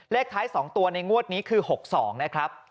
เลขท้าย๒ตัวในงวดนี้คือ๖๒นะครับ